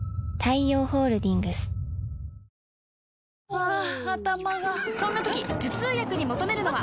ハァ頭がそんな時頭痛薬に求めるのは？